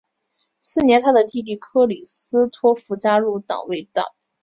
次年他的弟弟克里斯托福加入了党卫队。